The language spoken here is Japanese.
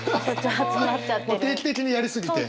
定期的にやり過ぎて。